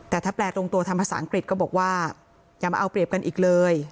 แต่ถ้าแปลตรงตัวทำภาษาอังกฤษก็บอกว่าอย่ามาเอาเปรียบกันอีกเลย